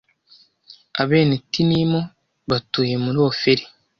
Abanetinimu batuye muri Ofeli